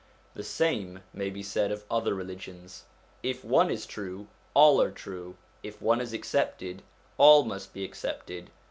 The same may be said of other religions : if one is true, all are true ; if one is accepted, all must be accepted.